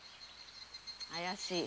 怪しい。